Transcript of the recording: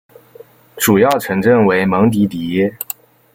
主要城镇为蒙迪迪耶。